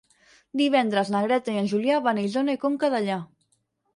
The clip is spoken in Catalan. Divendres na Greta i en Julià van a Isona i Conca Dellà.